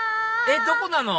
えっどこなの？